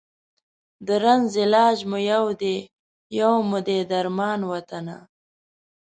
د رنځ علاج مو یو دی، یو مو دی درمان وطنه